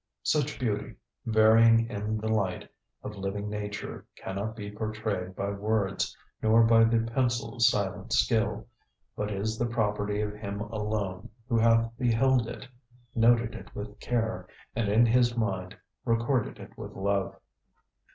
_"Such beauty, varying in the light, Of living nature, cannot be portrayed By words, nor by the pencil's silent skill; But is the property of him alone Who hath beheld it, noted it with care, And in his mind recorded it with love."